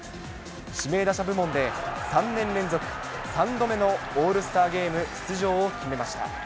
指名打者部門で３年連続３度目のオールスターゲーム出場を決めました。